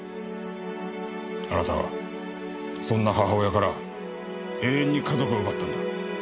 あなたはそんな母親から永遠に家族を奪ったんだ。